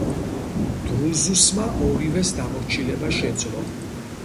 დრუზუსმა ორივეს დამორჩილება შეძლო.